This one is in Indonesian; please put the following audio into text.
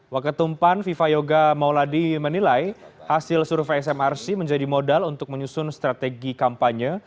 waketumpan viva yoga mauladi menilai hasil survei smrc menjadi modal untuk menyusun strategi kampanye